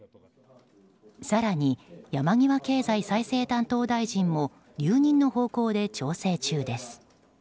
更に、山際経済再生担当大臣も留任の方向で調整中です。